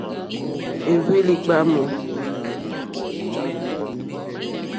Éhwélì ɡbámù.